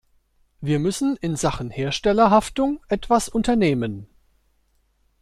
Wir müssen in Sachen Herstellerhaftung etwas unternehmen.